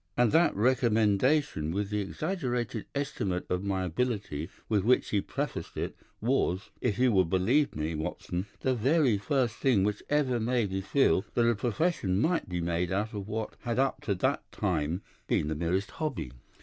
"And that recommendation, with the exaggerated estimate of my ability with which he prefaced it, was, if you will believe me, Watson, the very first thing which ever made me feel that a profession might be made out of what had up to that time been the merest hobby.